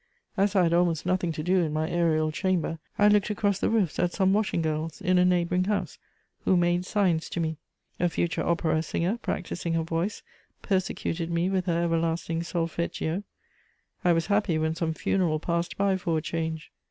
As I had almost nothing to do in my aerial chamber, I looked across the roofs at some washing girls in a neighbouring house, who made signs to me; a future opera singer, practising her voice, persecuted me with her everlasting solfeggio; I was happy when some funeral passed by for a change!